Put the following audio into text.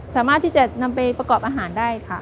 สามารถที่จะนำไปประกอบอาหารได้ค่ะ